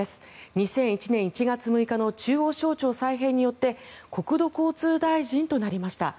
２００１年１月６日の中央省庁再編によって国土交通大臣となりました。